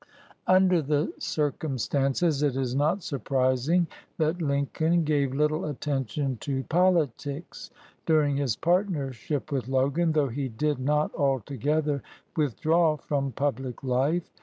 1 Under the circumstances, it is not surprising that Lincoln gave little attention to politics dur ing his partnership with Logan, though he did not altogether withdraw from public life.